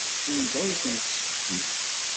Anda ay tent-tessefsim?